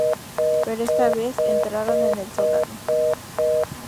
Pero esta vez entraron en el sótano.